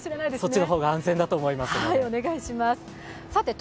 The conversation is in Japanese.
そっちの方が安全だと思います。